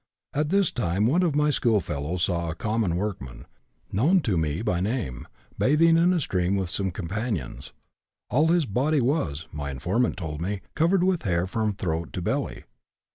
At this time one of my schoolfellows saw a common workman, known to me by name, bathing in a stream with some companions; all his body was, my informant told me, covered with hair from throat to belly.